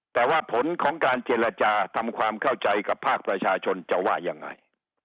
แต่ว่าผลของการเจรจาทำความเข้าใจกับภาคประชาชนจะว่ายังไง